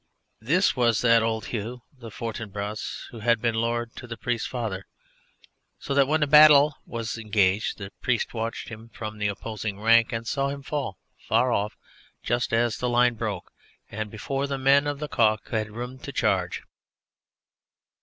This was that old Hugh the Fortinbras who had been Lord to the Priest's father, so that when the battle was engaged the Priest watched him from the opposing rank, and saw him fall, far off, just as the line broke and before the men of the Caux country had room to charge.